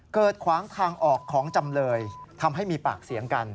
ขวางทางออกของจำเลยทำให้มีปากเสียงกัน